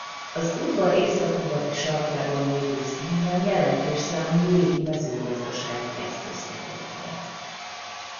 Az udvar északnyugati sarkában lévő színben jelentős számú régi mezőgazdasági eszköz kapott helyet.